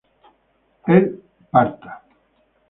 él parta